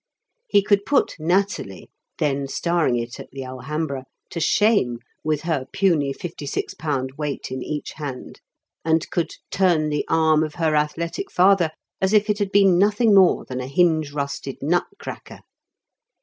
He could put 'Nathalie' (then starring it at the Alhambra) to shame with her puny 56 lb. weight in each hand, and could 'turn the arm' of her athletic father as if it had been nothing more than a hinge rusted nut cracker.